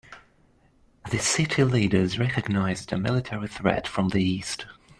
The city leaders recognized a military threat from the east.